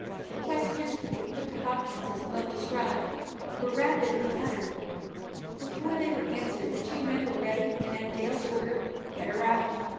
The questions which were put to Hopkins, as above described, were rapidly uttered. Before they were answered the two men were ready, and at Dale's order, "Get her out!"